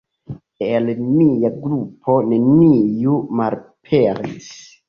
El nia grupo neniu malaperis!